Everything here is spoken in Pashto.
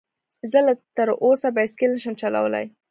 زه لا تر اوسه بايسکل نشم چلولی